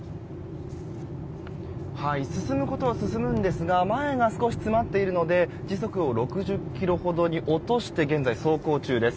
進むことは進むんですが前が少し詰まっているので時速を６０キロほどに落として、現在走行中です。